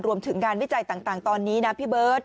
รวมถึงงานวิจัยต่างตอนนี้นะพี่เบิร์ต